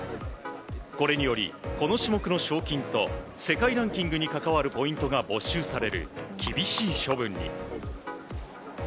これにより、この種目の賞金と世界ランキングに関わるポイントが没収される厳しい処分に。